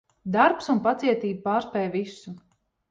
Darbs un pacietība pārspēj visu.